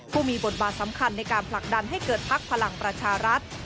ผู้มีบทบาทสำคัญในการผลักดันให้เกิดภักดิ์พลังประชารัฐ